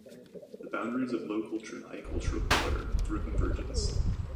The boundaries of low culture and high culture blur, through convergence.